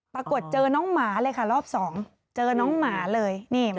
ปรากฏเจอน้องหมาเลยค่ะรอบสองเจอน้องหมาเลยนี่หมา